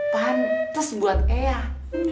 pantes buat ayah